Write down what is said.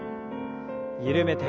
緩めて。